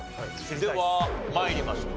では参りましょう。